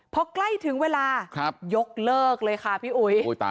พอใกล้ถึงเวลายกเลิกเลยค่ะพี่อุ๋ย